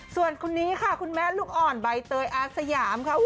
ส่วนคนนี้ค่ะคุณแม่ลูกอ่อนใบเตยอาสยามค่ะ